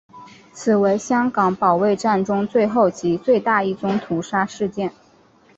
此为香港保卫战中最后及最大一宗屠杀事件。